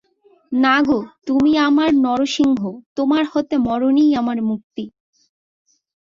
না গো, তুমি আমার নরসিংহ, তোমার হাতে মরণেই আমার মুক্তি।